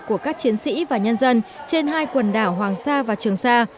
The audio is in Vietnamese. của các chiến sĩ và nhân dân trên hai quần đảo hoàng sa và trường sa